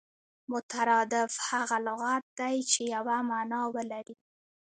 مترادف هغه لغت دئ، چي یوه مانا ولري.